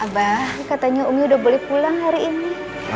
abah katanya umi udah boleh pulang hari ini